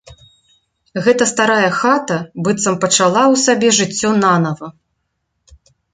Гэтая старая хата быццам пачала ў сабе жыццё нанава.